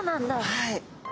はい。